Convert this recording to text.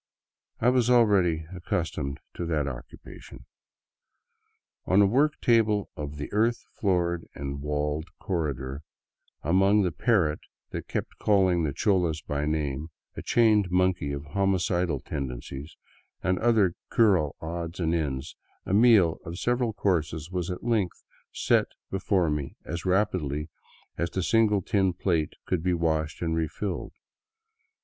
I was already accustomed to that occupation. On a work table of the earth floored and walled corredor, among the parrots that kept calling the cholas by name, a chained monkey of homicidal tendencies, and other cural odds and ends, a meal of several courses was at length set before me as rapidly as the single tin plate could be washed and refilled.